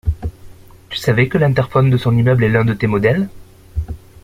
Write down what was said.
Tu savais que l’interphone de son immeuble est un de tes modèles?